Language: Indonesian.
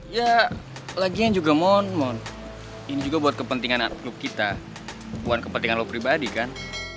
ya laginya juga mon mon ini juga buat kepentingan klub kita bukan kepentingan lo pribadi kan